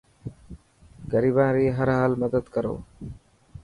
غريبان ري هر حال مدد ڪرو.